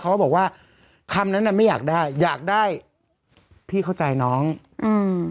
เขาบอกว่าคำนั้นน่ะไม่อยากได้อยากได้พี่เข้าใจน้องอืม